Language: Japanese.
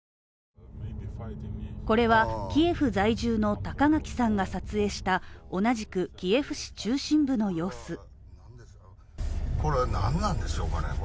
これはキエフ在住の高垣さんが撮影した、同じくキエフ中心部の様子。